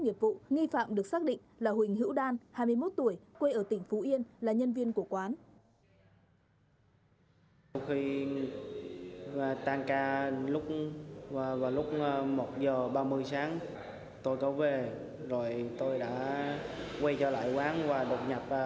hùng phạm được xác định là huỳnh hữu đan hai mươi một tuổi quê ở tỉnh phú yên là nhân viên của quán